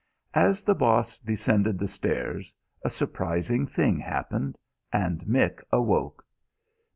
As the Boss descended the stairs, a surprising thing happened and Mick awoke.